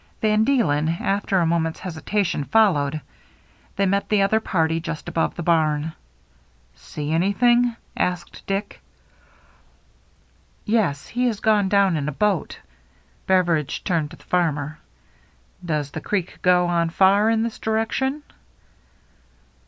Van Deelen, after a moment's hesitation, followed. They met the other party just above the barn. " See anything ?" asked Dick. "Yes. He has gone down in a boat." Beveridge turned to the farmer. " Does the creek go on far iri this direction